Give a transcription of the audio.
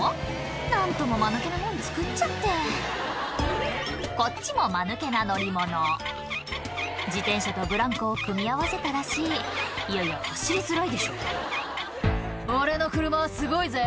何ともマヌケなもん造っちゃってこっちもマヌケな乗り物自転車とブランコを組み合わせたらしいいやいや走りづらいでしょ「俺の車はすごいぜ」